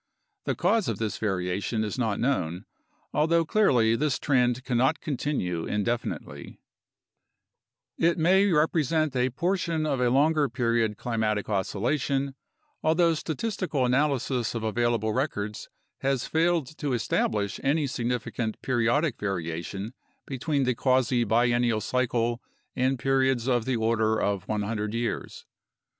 The cause of this variation is not known, although clearly this trend cannot continue indefinitely. PAST CLIMATIC VARIATIONS— PROJECTION OF FUTURE CLIMATES 37 It may represent a portion of a longer period climatic oscillation, al though statistical analysis of available records has failed to establish any significant periodic variation between the quasi biennial cycle and periods of the order of 100 years.